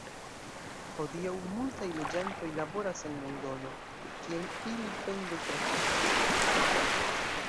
Hodiaŭ multaj loĝantoj laboras en Londono, kien ili pendol-trafikas.